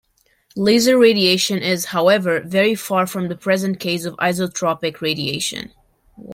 Laser radiation is, however, very far from the present case of isotropic radiation.